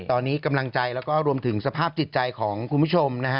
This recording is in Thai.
ตอนนี้กำลังใจแล้วก็รวมถึงสภาพจิตใจของคุณผู้ชมนะฮะ